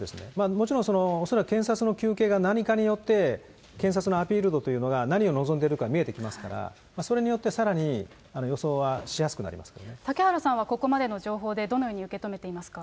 もちろん恐らく検察の求刑が何かによって、検察のアピール度というのが、何を望んでるか見えてきますから、それによって、さらに予想はしや嵩原さんは、これまでの情報でどのように受け止めていますか。